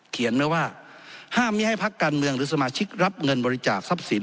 เขียนไว้ว่าห้ามไม่ให้พักการเมืองหรือสมาชิกรับเงินบริจาคทรัพย์สิน